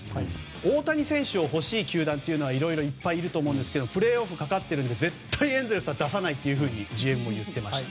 大谷選手を欲しい球団はいろいろいっぱいいると思うんですがプレーオフがかかってるので大谷選手は絶対に出さないとエンゼルスのＧＭも言ってました。